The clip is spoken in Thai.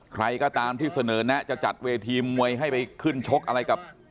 ใครก็ตามที่เสนอแนะจะจัดเวทีมวยให้ไปขึ้นชกอะไรกับ